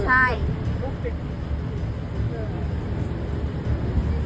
สวัสดีครับคุณผู้ชาย